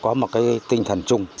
có một cái tinh thần trung tâm